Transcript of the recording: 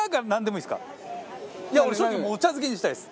俺正直お茶漬けにしたいです。